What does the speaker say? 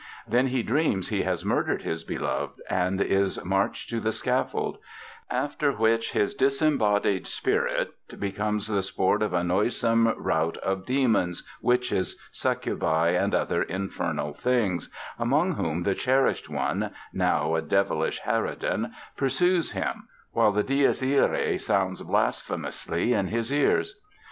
Then he dreams he has murdered his beloved and is marched to the scaffold; after which his disembodied spirit becomes the sport of a noisome rout of demons, witches, succubi and other infernal things, among whom the cherished one, now a devilish harridan, pursues him, while the Dies Irae resounds blasphemously in his ears.